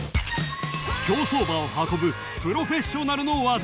［競走馬を運ぶプロフェッショナルの業］